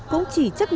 cũng chỉ chấp nhận